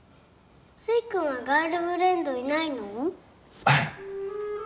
粋くんはガールフレンドいないの？